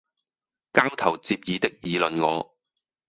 交頭接耳的議論我，